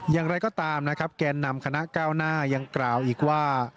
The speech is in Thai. อย่างไรก็ตามนะครับแกนนำคณะก้าวหน้ายังกล่าวอีกว่า